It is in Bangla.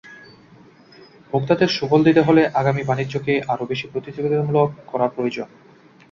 ভোক্তাদের সুফল দিতে হলে আমদানি বাণিজ্যকে আরও বেশি প্রতিযোগিতামূলক করা প্রয়োজন।